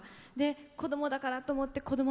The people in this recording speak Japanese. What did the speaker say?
こどもだからと思ってこども